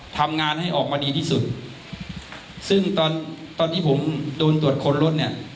ทำงานให้ออกมาดีที่สุดซึ่งตอนตอนที่ผมโดนตรวจค้นรถเนี่ย